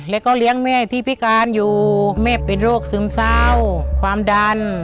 แล้วก็เลี้ยงแม่ที่พิการอยู่แม่เป็นโรคซึมเศร้าความดัน